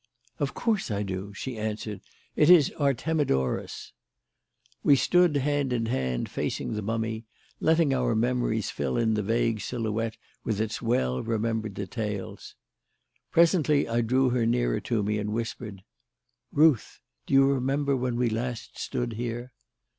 "Of course I do," she answered. "It is Artemidorus." We stood, hand in hand, facing the mummy, letting our memories fill in the vague silhouette with its well remembered details. Presently I drew her nearer to me and whispered: "Ruth! do you remember when we last stood here?"